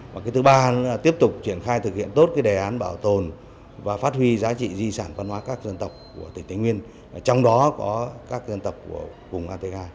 và cái thứ ba là tiếp tục triển khai thực hiện tốt cái đề án bảo tồn và phát huy giá trị di sản văn hóa các dân tộc của tỉnh tây nguyên trong đó có các dân tộc của vùng ateca